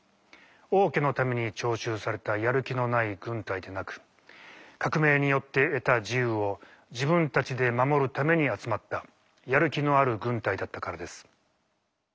王家のために徴集されたやる気のない軍隊でなく革命によって得た自由を自分たちで守るために集まったやる気のある軍隊だったからです。